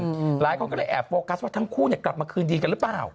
ด้วยอาจมาค้าฟอร์กัสเก่าทั้งคู่กลับมาคืนดีกันหรือเปล่า